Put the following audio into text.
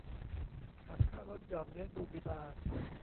หักค่าลดหย่อนเลี้ยงดูบิดา